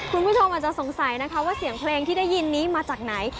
คุณผู้ชมอาจจะสงสัยนะคะว่าเสียงเพลงที่ได้ยินนี้มาจากไหน